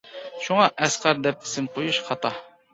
شۇڭا ئەسقەر دەپ ئىسىم قويۇش خاتا.